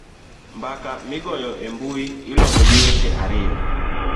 mbaka migoyo e mbui iloso gi weche ariyo